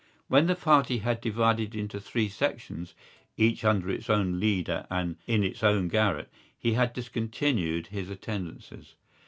When the party had divided into three sections, each under its own leader and in its own garret, he had discontinued his attendances.